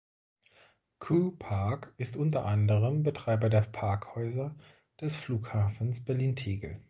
Q-Park ist unter anderem Betreiber der Parkhäuser des Flughafens Berlin-Tegel.